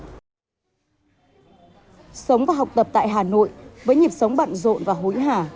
sống và học tập tại hà nội với nhịp sống bận rộn và hối hả